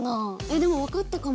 でもわかったかも。